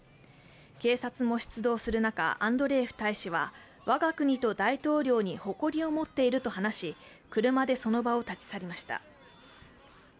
警察も出動する中、アンドレエフ大使は我が国と大統領に誇りを持っていると話し、車でその場を立ち去りました。